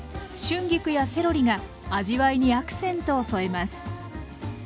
春菊やセロリが味わいにアクセントを添えます。